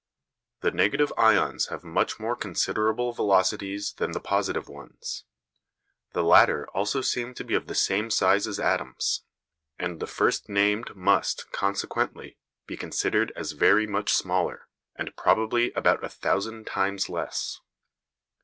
The negative ions have much more considerable velocities than the positive ones. The latter also seem to be of the same size as atoms; and the first named must, consequently, be considered as very much smaller, and probably about a thousand times less.